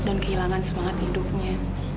dan kehilangan semangat hidupnya